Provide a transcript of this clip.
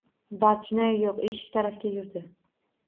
Barchinoy yo‘q, eshik tarafga yurdi.